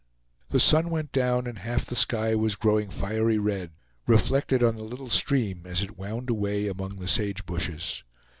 The sun went down and half the sky was growing fiery red, reflected on the little stream as it wound away among the sagebushes.